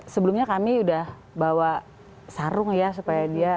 sebelumnya kami udah bawa sarung ya supaya dia